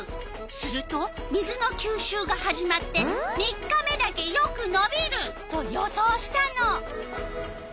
すると水のきゅうしゅうが始まって３日目だけよくのびると予想したの。